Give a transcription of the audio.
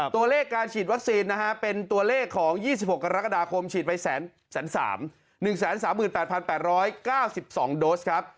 ตัวเลขการฉีดวัคซีนนะฮะเป็นตัวเลขของ๒๖กรกฎาคมฉีดไป๑๓๑๓๘๘๙๒โดสครับ